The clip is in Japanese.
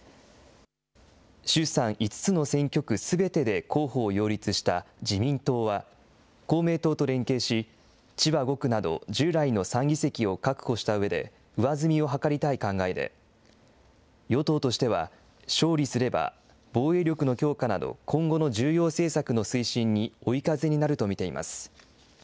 衆参５つの選挙区すべてで候補を擁立した自民党は、公明党と連携し、千葉５区など従来の３議席を確保したうえで、上積みを図りたい考えで、与党としては、勝利すれば、防衛力の強化など、今後の重要政策の推進に追い風になると見ています。